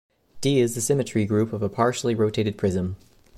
"D" is the symmetry group of a partially rotated prism.